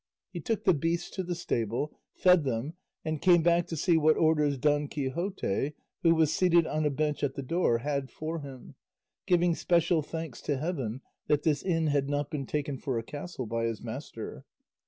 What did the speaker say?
He took the beasts to the stable, fed them, and came back to see what orders Don Quixote, who was seated on a bench at the door, had for him, giving special thanks to heaven that this inn had not been taken for a castle by his master.